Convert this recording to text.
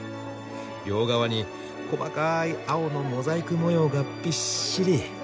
両側に細かい青のモザイク模様がビッシリ。